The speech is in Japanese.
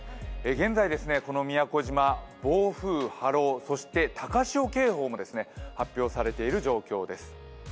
現在この宮古島、暴風、波浪、そして高潮警報も発表されている状況です。